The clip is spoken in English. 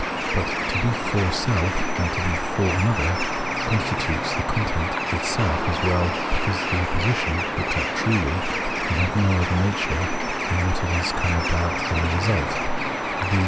But to be for self and to be for another constitutes the content itself as well, because the opposition, looked at truly, can have no other nature than what has come about in the result — viz.